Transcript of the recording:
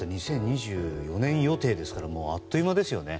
２０２４年予定ですからあっという間ですよね。